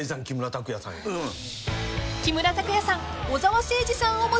木村拓哉さんに？